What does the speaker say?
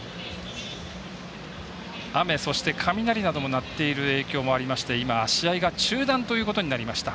雨、そして雷なども鳴っている影響がありまして今、試合が中断ということになりました。